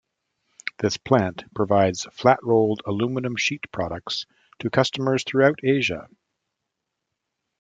This plant provides flat-rolled aluminum sheet products to customers throughout Asia.